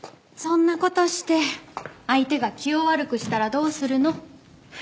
そんな事して相手が気を悪くしたらどうするの？